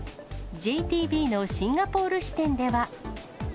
ＪＴＢのシンガポール支店では。